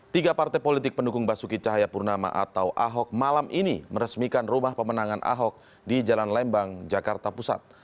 tiga partai politik pendukung basuki cahayapurnama atau ahok malam ini meresmikan rumah pemenangan ahok di jalan lembang jakarta pusat